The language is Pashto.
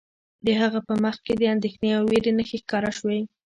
د هغه په مخ کې د اندیښنې او ویرې نښې ښکاره شوې